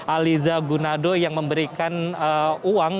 aliza gunado yang memberikan uang